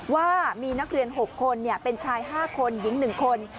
ว่ามีนักเรียน๖คนเป็นชาย๕คนหญิง๑คน